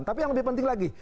tapi yang lebih penting lagi